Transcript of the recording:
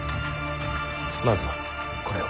まずはこれを。